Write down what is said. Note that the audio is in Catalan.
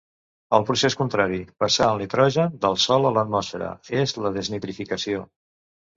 El procés contrari, passar el nitrogen del sòl a l'atmosfera, és la desnitrificació.